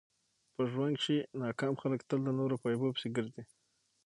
په ژوند کښي ناکام خلک تل د نور په عیبو پيسي ګرځي.